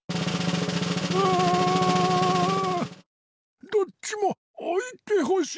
ううん。どっちもおいてほしい！